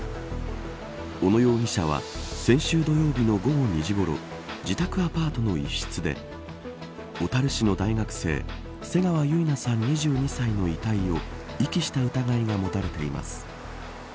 小野容疑者は先週土曜日の午後２時ごろ自宅アパートの一室で小樽市の大学生瀬川結菜さん、２２歳の遺体を遺棄した疑いが持たれています。